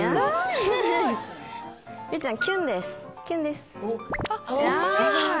すごい。